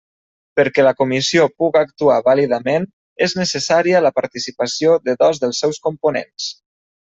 Perquè la comissió puga actuar vàlidament és necessària la participació de dos dels seus components.